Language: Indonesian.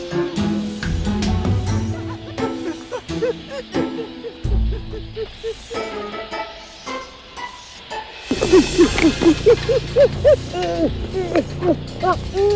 rasakan kau monyet kecil hahaha jatuh di